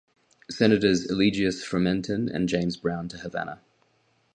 Senators Eligius Fromentin and James Brown to Havana.